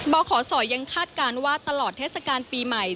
บขศยังคาดการณ์ว่าตลอดเทศกาลปีใหม่